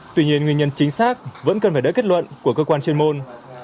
tuy nhiên nguyên nhân chính xác vẫn cần phải đỡ kết luận của cơ quan chuyên môn